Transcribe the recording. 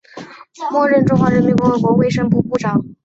末任中华人民共和国卫生部部长。